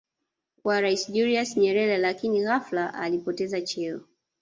wa Rais Julius Nyerere lakin ghafla alipoteza cheo